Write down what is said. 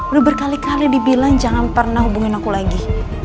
udah berkali kali dibilang jangan pernah hubungin aku lagi